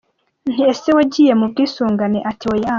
Nti ‘ese wagiye mu bwisungane?’ Ati ‘oya’.